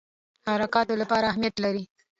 حرکاتو لپاره اهمیت لري.